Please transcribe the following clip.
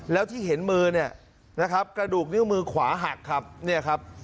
แล้วที่เห็นมือเนี่ยนะครับกระดูกนิ้วมือขวาหักครับเนี่ยครับ